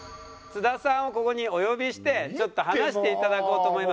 津田さんをここにお呼びして話していただこうと思います。